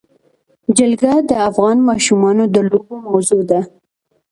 جلګه د افغان ماشومانو د لوبو موضوع ده.